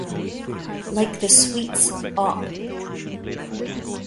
Like the suites Opp.